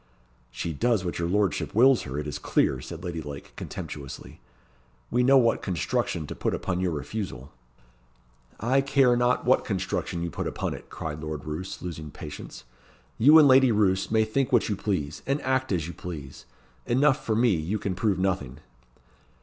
"She does what your lordship wills her, it is clear," said Lady Lake, contemptuously. "We know what construction to put upon your refusal." "I care not what construction you put upon it," cried Lord Roos, losing patience. "You and Lady Roos may think what you please, and act as you please. Enough for me, you can prove nothing."